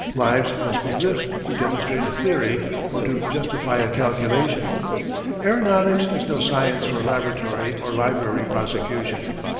Lives must be risked to demonstrate a theory, or to justify a calculation. Aeronautics is no science for laboratory or library prosecution.